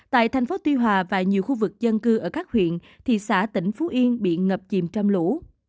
tại thành phố tuy hòa và nhiều khu vực dân cư ở các huyện thị xã tỉnh phú yên bị ngập chìm trong lũ